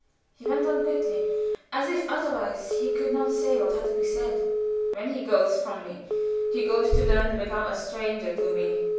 He went on quickly, as if otherwise he could not say what had to be said: "When he goes from me, he goes to learn to become a stranger to me.